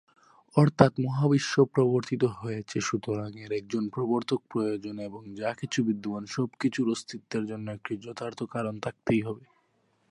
অর্থাৎ, মহাবিশ্ব প্রবর্তিত হয়েছে সুতরাং এর একজন প্রবর্তক প্রয়োজন এবং যা কিছু বিদ্যমান, সবকিছুর অস্তিত্বের জন্যই একটি যথার্থ কারণ থাকতে হবে।